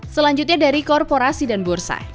selanjutnya dari korporasi dan bursa